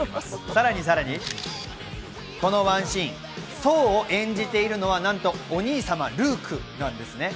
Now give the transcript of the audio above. さらにさらに、このワンシーン、ソーを演じているのは何とお兄様、ルークなんです。